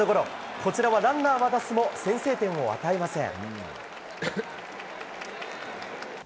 こちらはランナーは出すも先制点を与えません。